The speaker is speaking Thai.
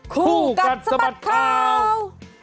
คู่กัดสะบัดข่าว